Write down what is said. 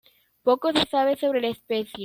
Poco se sabe sobre la especie.